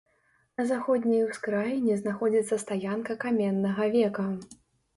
На заходняй ускраіне знаходзіцца стаянка каменнага века.